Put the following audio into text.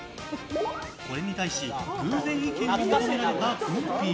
これに対し偶然意見を求められた、ぐんぴぃ。